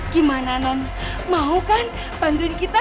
gimana non mau kan panduan kita